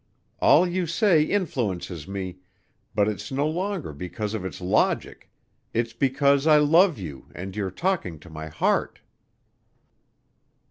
All you say influences me, but it's no longer because of its logic, it's because I love you and you're talking to my heart."